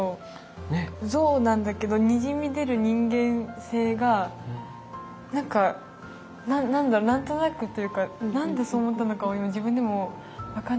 像なんだけどにじみ出る人間性が何か何だろう何となくというか何でそう思ったのかを今自分でも分かんないんですけど。